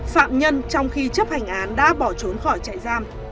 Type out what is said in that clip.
phạm nhân trong khi chấp hành án đã bỏ trốn khỏi trại giam